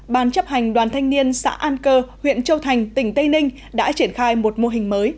ban chấp hành đoàn thanh niên xã an cơ huyện châu thành tỉnh tây ninh đã triển khai một mô hình mới